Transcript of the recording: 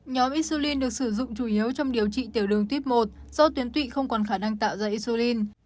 nhóm insulin được sử dụng chủ yếu trong điều trị tiểu đường tuyết một do tuyến tụy không còn khả năng tạo ra insulin